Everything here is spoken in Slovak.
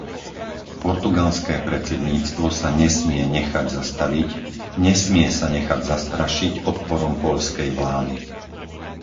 Portugalské predsedníctvo sa nesmie nechať zastaviť, nesmie sa nechať zastrašiť odporom poľskej vlády.